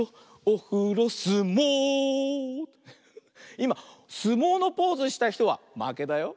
いますもうのポーズしたひとはまけだよ。